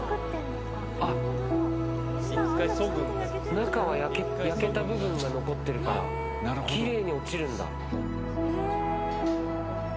中は焼けた部分が残ってるからきれいに落ちるんだ。